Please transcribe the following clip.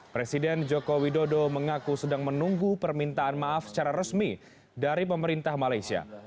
presiden joko widodo mengaku sedang menunggu permintaan maaf secara resmi dari pemerintah malaysia